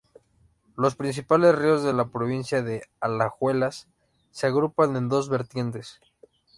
Los principales ríos de la provincia de Alajuela se agrupan en dos vertientes.